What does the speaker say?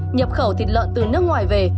nhập khẩu thịt lợn từ nước ngoài về